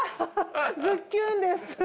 ズッキューンです。